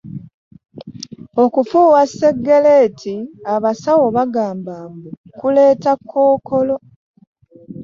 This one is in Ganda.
Okufuuwa sseggereeti abasawo bagamba mbu kuleeta kkookolo.